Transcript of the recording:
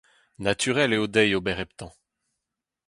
Naturel eo dezhi ober heptañ.